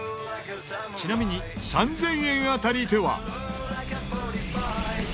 ちなみに３０００円当たりでは。